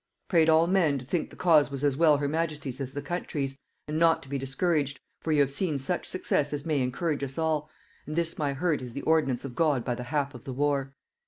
Prayed all men to think the cause was as well her majesty's as the country's; and not to be discouraged; for you have seen such success as may encourage us all; and this my hurt is the ordinance of God by the hap of the war.